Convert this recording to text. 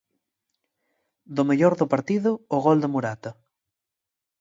Do mellor do partido, o gol de Morata.